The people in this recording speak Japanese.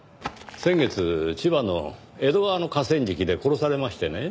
先月千葉の江戸川の河川敷で殺されましてね。